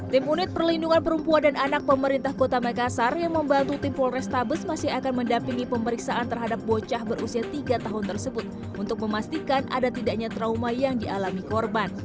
tim unit perlindungan perempuan dan anak pemerintah kota makassar yang membantu tim polrestabes masih akan mendampingi pemeriksaan terhadap bocah berusia tiga tahun tersebut untuk memastikan ada tidaknya trauma yang dialami korban